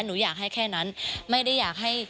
หนูอยากให้แค่นั้นไม่ได้อยากให้